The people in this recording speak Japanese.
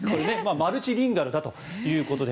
マルチリンガルだということで。